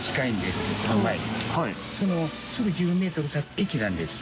すぐ１０メートル先駅なんです。